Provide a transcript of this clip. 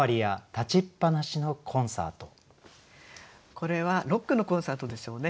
これはロックのコンサートでしょうね。